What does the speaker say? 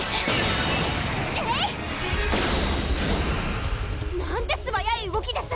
えい！なんて素早い動きです！